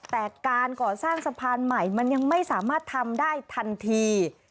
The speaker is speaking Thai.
แต่การก่อสร้างสะพานใหม่มันยังไม่สามารถทำได้ทันที